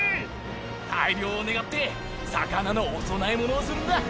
大漁を願って魚のお供え物をするんだ。